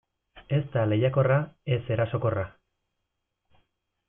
Ez da lehiakorra, ez erasokorra.